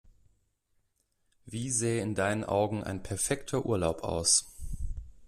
Wie sähe in deinen Augen ein perfekter Urlaub aus?